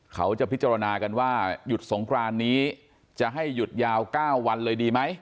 เขาจะพิจารณากันว่าหยุดสงครานนี้จะให้หยุดยาว๙วันเลยดีไหม